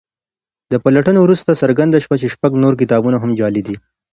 له پلټنو وروسته څرګنده شوه چې شپږ نور کتابونه هم جعلي دي.